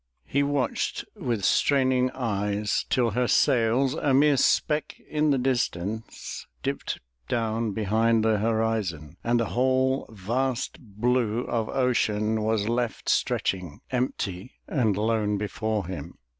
He watched with straining eyes till her sails, a mere speck in the distance, dipped down behind the horizon, and the whole vast blue of ocean was left stretching empty and lone before him.